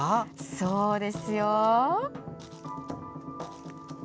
そうですよ。